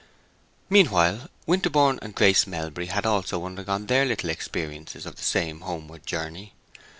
Meanwhile, Winterborne and Grace Melbury had also undergone their little experiences of the same homeward journey.